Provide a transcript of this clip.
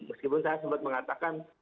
meskipun saya sempat mengatakan